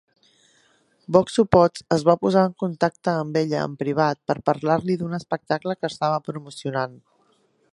Boxu Potts es va posar en contacte amb ella en privat per parlar-li d'un espectacle que estava promocionant.